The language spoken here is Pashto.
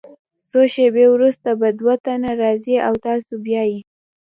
څو شیبې وروسته به دوه تنه راځي او تاسو بیایي.